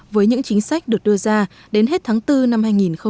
với những chính sách được đưa ra đến hết tháng bốn năm hai nghìn hai mươi